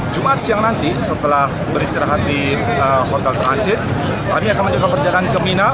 jumat siang nanti setelah beristirahat di hotel transit kami akan menjaga perjalanan ke mina